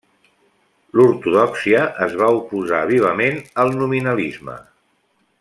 L'ortodòxia es va oposar vivament al nominalisme.